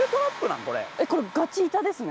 これガチ痛ですね。